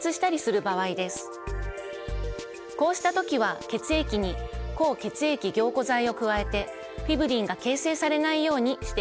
こうした時は血液に抗血液凝固剤を加えてフィブリンが形成されないようにしています。